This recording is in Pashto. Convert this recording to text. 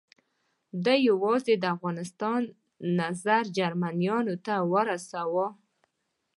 ده یوازې د افغانستان نظر جرمنیانو ته ورساوه.